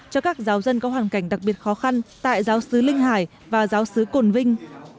cho các giáo dân có hoàn cảnh đặc biệt khó khăn tại giáo sứ linh hải và giáo sứ cồn vinh